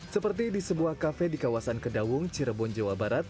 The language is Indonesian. seperti di sebuah kafe di kawasan kedawung cirebon jawa barat